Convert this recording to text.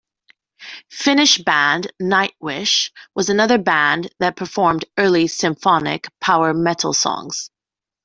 Finnish band Nightwish was another band that performed early symphonic power metal songs.